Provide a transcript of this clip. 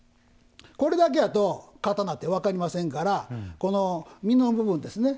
これだけやと刀って分かりませんからこの部分ですね。